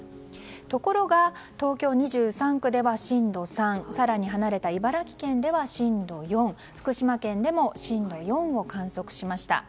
ところが、東京２３区では震度３更に離れた茨城県では震度４福島県でも震度４を観測しました。